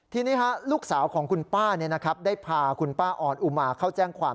ทีนี้ลูกสาวของคุณป้าได้พาคุณป้าออนอุมาเข้าแจ้งความ